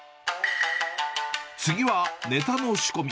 次はネタの仕込み。